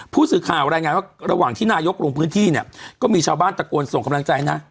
ผู้สื่อข่าวรายงานว่าระหว่างที่นายกลงพื้นที่เนี่ยก็มีชาวบ้านตะโกนส่งกำลังใจนะ